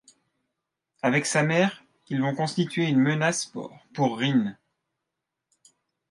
Avec sa mère, ils vont constituer une menace pour Rynn.